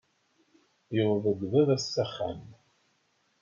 Yewweḍ-d Baba s axxam.